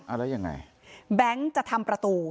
แล้วยังไงแบงค์จะทำประตู